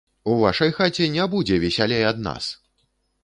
У вашай хаце не будзе весялей ад нас!